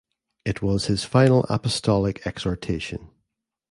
It was his final apostolic exhortation.